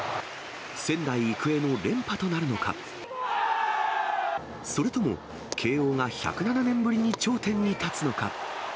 仙台育英の連覇となるのか、それとも、慶応が１０７年ぶりに頂点に立つのか。